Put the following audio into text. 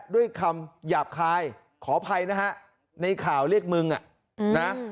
ด้วยคำหยาบคายขออภัยนะฮะในข่าวเรียกมึงอ่ะนะ